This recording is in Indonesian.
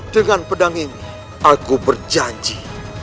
dengan pedang ini aku berjanji